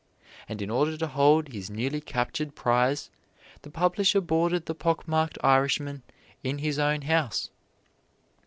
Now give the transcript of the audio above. And in order to hold his newly captured prize, the publisher boarded the pockmarked Irishman in his own house.